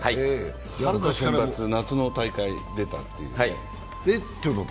夏の大会に出たという。